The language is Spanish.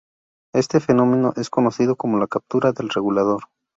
Este fenómeno es conocido como la captura del Regulador.